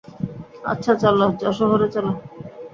আচ্ছা, চল, যশােহরে চল।